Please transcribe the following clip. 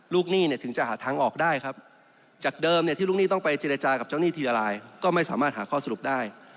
หนี้เนี่ยถึงจะหาทางออกได้ครับจากเดิมเนี่ยที่ลูกหนี้ต้องไปเจรจากับเจ้าหนี้ทีละลายก็ไม่สามารถหาข้อสรุปได้